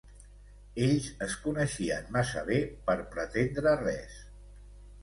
Ells es coneixien massa bé per pretendre res.